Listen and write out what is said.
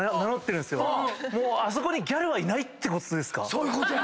そういうことや！